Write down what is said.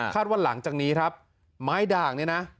ว่าหลังจากนี้ครับไม้ด่างเนี่ยนะ